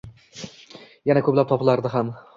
Yana ko'plab topilardi ham.